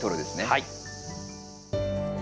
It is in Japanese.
はい。